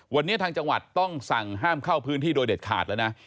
วันนี้ทางจังหวัดต้องสั่งห้ามเข้าพื้นที่โดยเด็ดขาดแล้วนะ